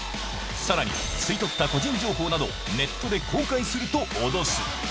さらに吸い取った個人情報などを、ネットで公開すると脅す。